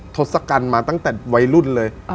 ทศกัณฐ์มาตั้งแต่วัยรุ่นเลย